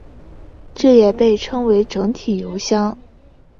这也被称为整体油箱。